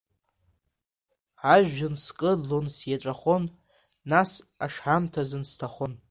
Ажәҩан скыдлон, сиеҵәахон, нас ашамҭазын сҭахон.